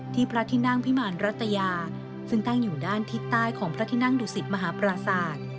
พระที่นั่งพิมารรัตยาซึ่งตั้งอยู่ด้านทิศใต้ของพระที่นั่งดุสิตมหาปราศาสตร์